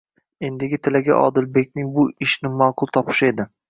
Endigi tilagi Odilbekning bu ishni ma'qul topishi edi.